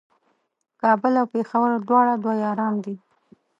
کابل او پېښور دواړه دوه یاران دي